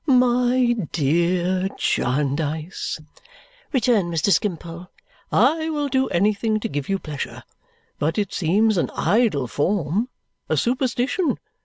"My dear Jarndyce," returned Mr. Skimpole, "I will do anything to give you pleasure, but it seems an idle form a superstition.